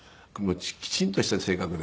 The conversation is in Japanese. きちんとした性格で。